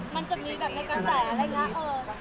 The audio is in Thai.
มันจะมีในกษัตริย์ไง